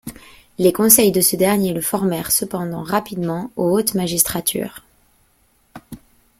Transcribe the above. Les conseils de ce dernier le formèrent cependant rapidement aux hautes magistratures.